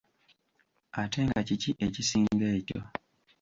Ate nga kiki ekisinga ekyo?